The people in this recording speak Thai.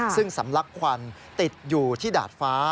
ซึ่งสำลักควันติดอยู่ที่ดาดฟ้า